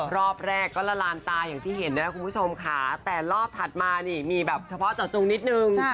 รอบแรกก็ละลานตาอย่างที่เห็นนะคุณผู้ชมค่ะแต่รอบถัดมานี่มีแบบเฉพาะเจาะจงนิดนึง